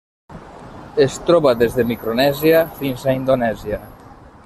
Es troba des de Micronèsia fins a Indonèsia.